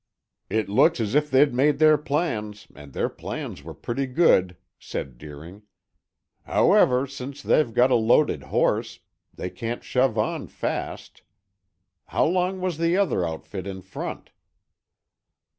"It looks as if they'd made their plans and their plans were pretty good," said Deering. "However, since they've got a loaded horse, they can't shove on fast. How long was the other outfit in front?"